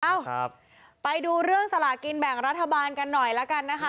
เอ้าครับไปดูเรื่องสลากินแบ่งรัฐบาลกันหน่อยแล้วกันนะคะ